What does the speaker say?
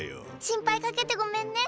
心配かけてごめんね。